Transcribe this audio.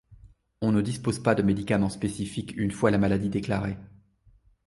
On ne dispose pas de médicament spécifique une fois la maladie déclarée.